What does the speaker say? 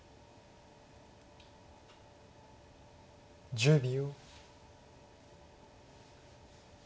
１０秒。